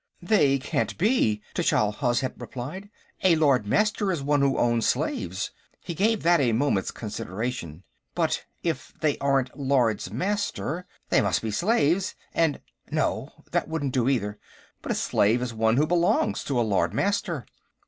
"They can't be," Tchall Hozhet replied. "A Lord Master is one who owns slaves." He gave that a moment's consideration. "But if they aren't Lords Master, they must be slaves, and...." No. That wouldn't do, either. "But a slave is one who belongs to a Lord Master."